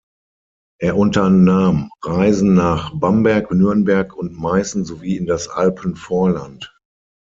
Er unternahm Reisen nach Bamberg, Nürnberg und Meißen sowie in das Alpenvorland.